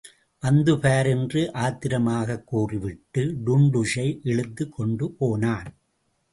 வந்து பார் என்று ஆத்திரமாகக் கூறிவிட்டு, டுன்டுஷை இழுத்துக் கொண்டு போனான்.